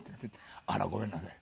「あらごめんなさい。